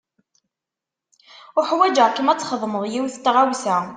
Uḥwaǧeɣ-kem ad txedmeḍ yiwet n tɣawsa.